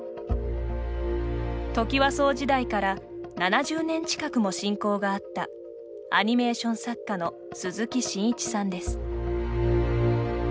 トキワ荘時代から７０年近くも親交があったアニメーション作家の鈴木伸一さんです。